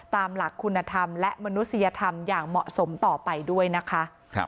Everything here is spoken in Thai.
ตามหลักคุณธรรมและมนุษยธรรมอย่างเหมาะสมต่อไปด้วยนะคะ